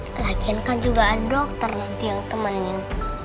kalian kan juga ada dokter nanti yang temenin